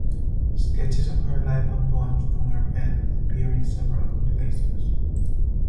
Sketches of her life and poems from her pen appear in several compilations.